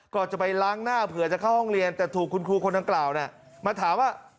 ก่อนจะไปล้างหน้าเผื่อจะเข้าห้องเรียนแต่ถูกคุณครูคนดังกล่าวมาถามว่า